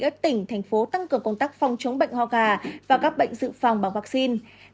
các tỉnh thành phố tăng cường công tác phòng chống bệnh ho gà và các bệnh dự phòng bằng vaccine